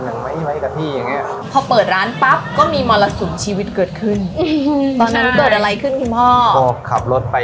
เค้าจะไปซื้อที่ไหนเพราะว่าเราก็ขี่รถขายไป